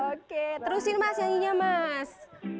oke terusin mas nyanyinya mas